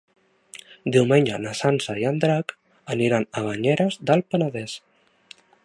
Diumenge na Sança i en Drac aniran a Banyeres del Penedès.